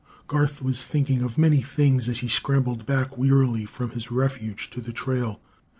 Garth was thinking of many things as he scrambled back wearily from his refuge to the trail.